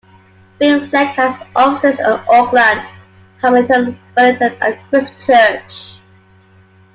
Finsec has offices in Auckland, Hamilton, Wellington and Christchurch.